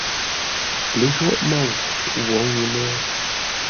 Lə́jwôghʼ môu wǒ ŋuu lə.